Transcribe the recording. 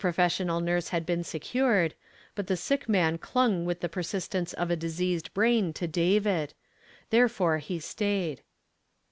fessional nurse had been secured, but the sick iiiaii clung with the persistennf of a diseased brain to David ; therefore he stayed.